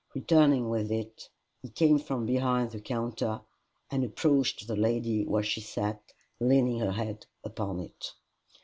Returning with it he came from behind the counter, and approached the lady where she sat leaning her head upon it.